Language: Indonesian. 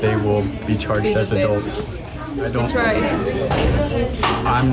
saya tidak akan memaafkan mereka tapi saya harap mereka mendapat banyak bantuan